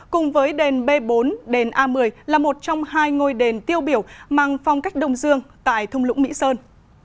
cùng với đền b bốn đền a một mươi là một trong hai ngôi đền tiêu biểu mang phong cách đông dương tại thung lũng mỹ sơn